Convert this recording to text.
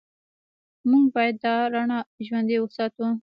موږ باید دا رڼا ژوندۍ وساتو.